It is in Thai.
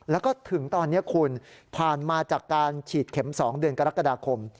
แล้วก็ถึงตอนนี้คุณผ่านมาจากการฉีดเข็ม๒เดือนกรกฎาคม